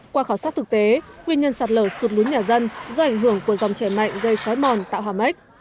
qua khảo sát thực tế nguyên nhân sạt lở sụp lùn nhà dân do ảnh hưởng của dòng trẻ mạnh gây sói mòn tạo hòa mách